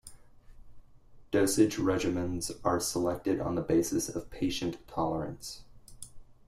Dosage regimens are selected on the basis of patient tolerance.